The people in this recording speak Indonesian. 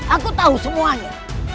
aku tahu semuanya